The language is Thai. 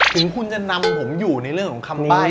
ถึงคุณจะนำผมอยู่ในเรื่องของคำนี้